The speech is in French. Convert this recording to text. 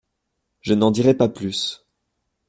Je n'en dirai pas plus.